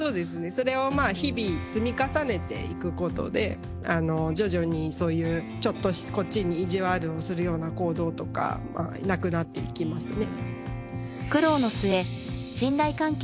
それを日々積み重ねていくことで徐々にそういうちょっとこっちにいじわるをするような行動とかはなくなっていきますね。